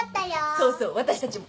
そうそう私たちも。